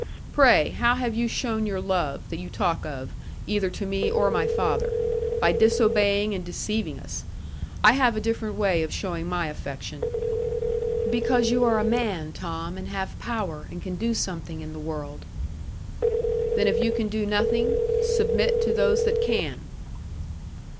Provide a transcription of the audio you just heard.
Pray, how have you shown your love, that you talk of, either to me or my father? By disobeying and deceiving us. I have a different way of showing my affection." "Because you are a man, Tom, and have power, and can do something in the world." "Then, if you can do nothing, submit to those that can."